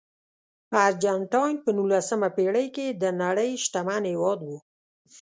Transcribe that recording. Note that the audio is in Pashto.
ارجنټاین په نولسمه پېړۍ کې د نړۍ شتمن هېواد و.